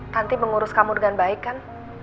nanti mengurus kamu dengan baik kan